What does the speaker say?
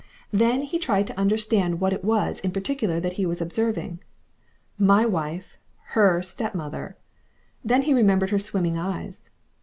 Then he tried to understand what it was in particular that he was observing. "My wife" "HER stepmother!" Then he remembered her swimming eyes.